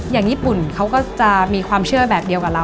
อย่างญี่ปุ่นเขาก็จะมีความเชื่อแบบเดียวกับเรา